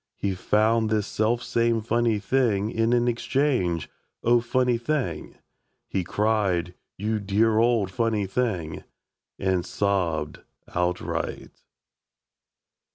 He found this selfsame funny thing In an exchange "O, funny thing!" He cried, "You dear old funny thing!" And Sobbed Outright.